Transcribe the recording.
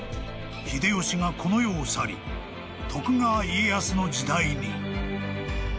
［秀吉がこの世を去り徳川家康の時代に］